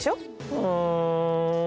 うん。